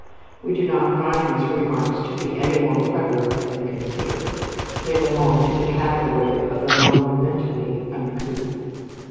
we do not find these remarks to be any more clever than considerate. They belong to the category of the monumentally uncouth.